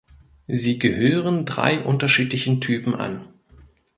Sie gehören drei unterschiedlichen Typen an.